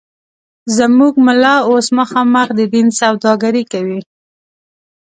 زموږ ملا اوس مخامخ د دین سوداگري کوي